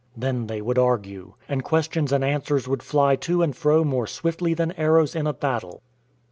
Then they would argue — and questions and answers would fly to and fro more swiftly than arrows in a battle.